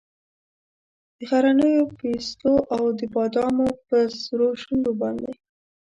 د غرنیو پیستو او د بادامو په سرو شونډو باندې